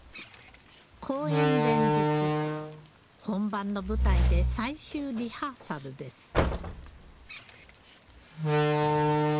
本番の舞台で最終リハーサルです。